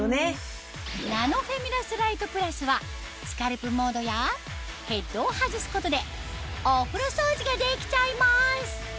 ナノフェミラスライトプラスはスカルプモードやヘッドを外すことでお風呂掃除ができちゃいます